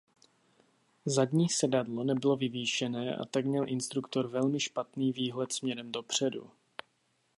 Zadní sedadlo nebylo vyvýšené a tak měl instruktor velmi špatný výhled směrem dopředu.